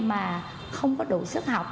mà không có đủ sức học